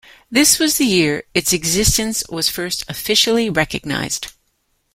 This was the year its existence was first officially recognized.